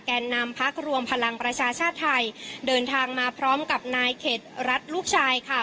นำพักรวมพลังประชาชาติไทยเดินทางมาพร้อมกับนายเขตรัฐลูกชายค่ะ